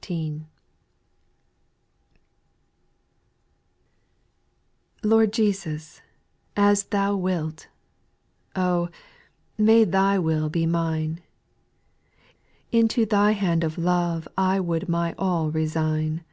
T ORD Jesus, as Thou wilt 1 JLj Oh 1 may Thy will be mine ; Into Thy hand of love I would my all resign.